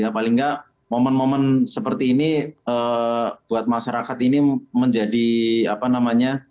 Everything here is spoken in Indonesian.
paling nggak momen momen seperti ini buat masyarakat ini menjadi apa namanya